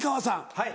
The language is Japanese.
はい。